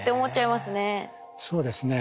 そうですね。